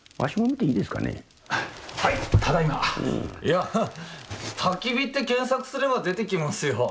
いやたき火って検索すれば出てきますよ。